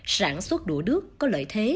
sản xuất đũa đước có lợi thế